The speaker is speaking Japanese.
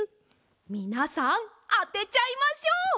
みなさんあてちゃいましょう！